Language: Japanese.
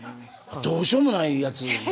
どうしようもないやつ。